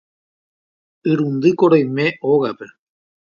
Irundýko roime ógape.